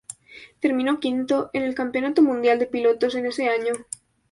Terminó quinto en el Campeonato Mundial de Pilotos en ese año.